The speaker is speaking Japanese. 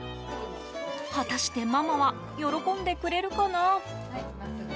果たしてママは喜んでくれるかな？